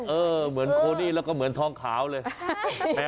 เหมือนโคนี่แล้วก็เหมือนทองขาวเลย